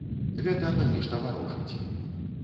Гэта на нешта варожыць.